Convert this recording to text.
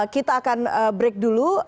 kita akan break dulu